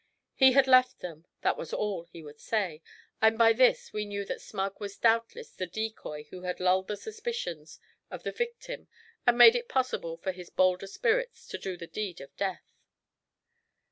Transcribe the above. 'He had left them,' that was all he would say; and by this we knew that Smug was doubtless the decoy who had lulled the suspicions of the victim and made it possible for the bolder spirits to do the deed of death.